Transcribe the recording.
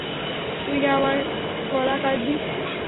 তুই না আমার গলা কাটবি?